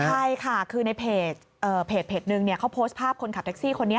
ใช่ค่ะคือในเพจนึงเขาโพสต์ภาพคนขับแท็กซี่คนนี้